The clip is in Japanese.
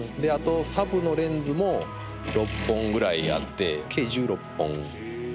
あとサブのレンズも６本ぐらいあって計１６本。